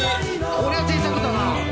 これはぜいたくだな。